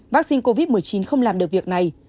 vaccine covid một mươi chín không làm được việc này